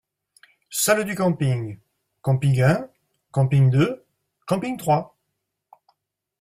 Salles du camping : camping un, camping deux, camping trois.